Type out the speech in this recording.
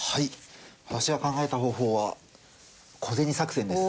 私が考えた方法は小銭作戦です。